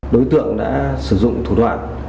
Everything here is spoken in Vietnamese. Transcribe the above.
đối tượng đã sử dụng thủ đoạn